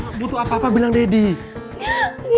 kamu butuh apa apa bilang daddy